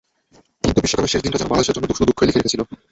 কিন্তু বিশ্বকাপের শেষ দিনটা যেন বাংলাদেশের জন্য শুধু দুঃখই লিখে রেখেছিল।